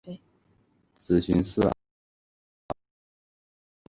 子荀逝敖。